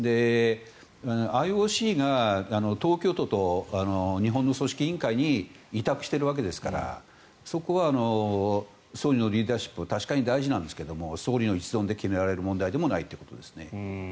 ＩＯＣが東京都と日本の組織委員会に委託しているわけですからそこは総理のリーダーシップは確かに大事なんですけど総理の一存で決められる問題でもないということですね。